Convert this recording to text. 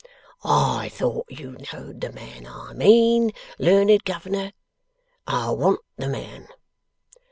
'I thought you knowed the man I mean, learned governor. I want the man.